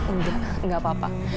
udah gak apa apa